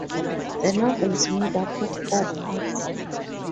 The novel is made up of four parts.